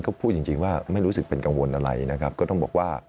ก็พูดจริงว่าไม่รู้สึกเป็นกังวลอะไรนะครับ